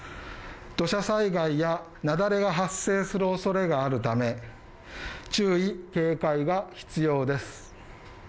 土砂災害やなだれが発生するおそれがあるため、注意、警戒が必要です。